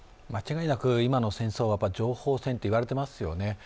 間違いなく今の戦争は情報戦と言われていますよね。